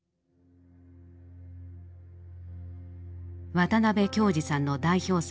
渡辺京二さんの代表作